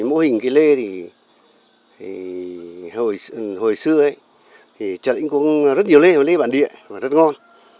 mô hình lê thì hồi xưa trả lĩnh cũng rất nhiều lê lê bản địa và rất ngon